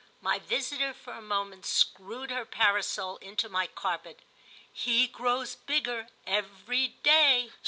My visitor, for a moment, screwed her parasol into my carpet. "He grows bigger every day."